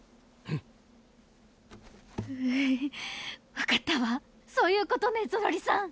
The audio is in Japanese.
分かったわそういうことねゾロリさん。